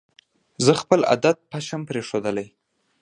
زه خپل عادت پشم پرېښودلې